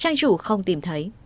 trang chủ không tìm thấy